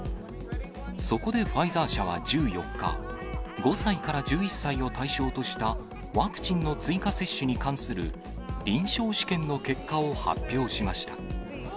そこでファイザー社は１４日、５歳から１１歳を対象としたワクチンの追加接種に関する臨床試験の結果を発表しました。